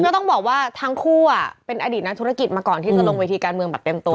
ก็ต้องบอกว่าทั้งคู่เป็นอดีตนักธุรกิจมาก่อนที่จะลงเวทีการเมืองแบบเต็มตัว